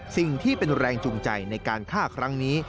สิ่งที่เป็นแรงจูงใจในการฆ่าครั้งนี้